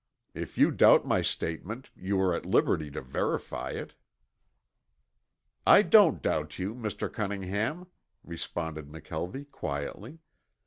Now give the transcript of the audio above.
If you doubt my statement you are at liberty to verify it." "I don't doubt you, Mr. Cunningham," responded McKelvie quietly.